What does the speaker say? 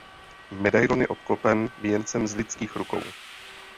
Medailon je obklopen věncem z lidských rukou.